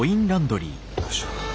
よいしょ。